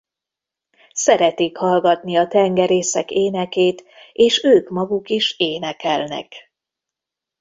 Szeretik hallgatni a tengerészek énekét és ők maguk is énekelnek.